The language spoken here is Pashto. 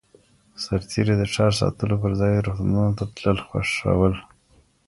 سرتېري د ښار ساتلو پرځای روغتونونو ته تلل خوښ ول.